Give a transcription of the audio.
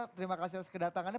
terima kasih atas kedatangannya